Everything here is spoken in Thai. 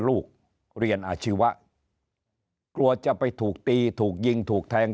ลูกเรียนอาชีวะกลัวจะไปถูกตีถูกยิงถูกแทง